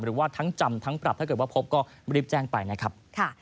หรือว่าทั้งจำทั้งปรับถ้าเกิดว่าพบก็รีบแจ้งไปนะครับ